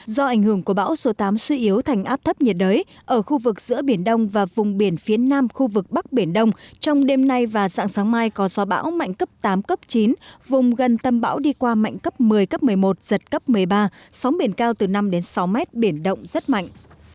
do ảnh hưởng của bão số tám suy yếu thành áp thấp nhiệt đới ở khu vực giữa biển đông và vùng biển phía nam khu vực bắc biển đông trong đêm nay và sáng sáng mai có gió bão mạnh cấp tám cấp chín vùng gần tâm bão đi qua mạnh cấp một mươi cấp một mươi một giật cấp một mươi ba sóng biển cao từ năm đến sáu mét biển động rất mạnh